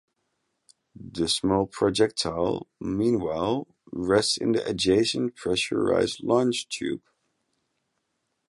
The small projectile, meanwhile, rests in the adjacent depressurized launch tube.